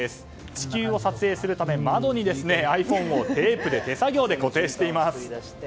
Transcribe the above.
地球を撮影するため、窓にｉＰｈｏｎｅをテープで手作業で固定しています。